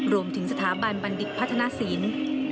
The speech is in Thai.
รวมถึงสถาบันบัณฑิตพัฒนศิลป์